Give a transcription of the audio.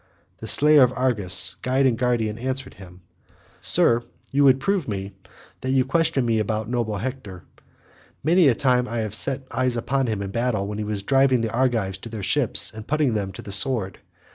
The slayer of Argus, guide and guardian, answered him, "Sir, you would prove me, that you question me about noble Hector. Many a time have I set eyes upon him in battle when he was driving the Argives to their ships and putting them to the sword.